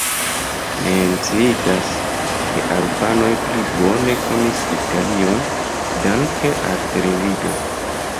Menciindas, ke albanoj pli bone konis Italion danke al televido.